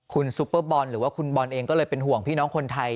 คุณซุปเปอร์บอลหรือว่าคุณบอลเองก็เลยเป็นห่วงพี่น้องคนไทย